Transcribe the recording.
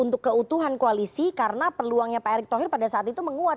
untuk keutuhan koalisi karena peluangnya pak erick thohir pada saat itu menguat